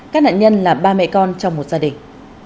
các nạn nhân là ba mẹ con trong một gia đình